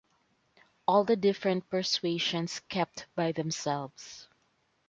All the different persuasions kept by themselves.